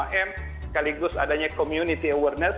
sekaligus adanya community awareness